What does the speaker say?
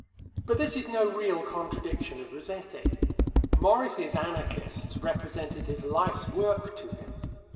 But this is no real contradiction of Rossetti. Morris's anarchists represented his life's work to him.